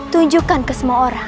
tunjukkan ke semua orang